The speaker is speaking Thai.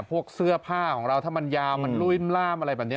พวกเสื้อผ้าของเราถ้ามันยาวมันลุยล่ามอะไรแบบนี้